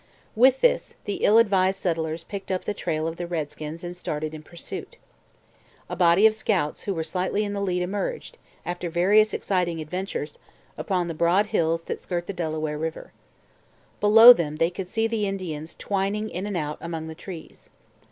With this, the ill advised settlers picked up the trail of the redskins and started in pursuit. A body of scouts who were slightly in the lead emerged, after various exciting adventures, upon the broad hills that skirt the Delaware river. Below them they could see the Indians twining in and out among the trees.